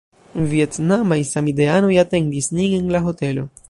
Vjetnamaj samideanoj atendis nin en la hotelo.